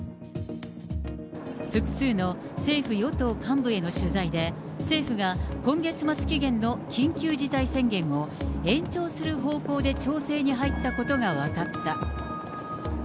複数の政府・与党幹部への取材で、政府が今月末期限の緊急事態宣言を、延長する方向で調整に入ったことが分かった。